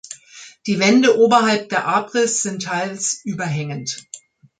Die Wände oberhalb der Abris sind teils überhängend.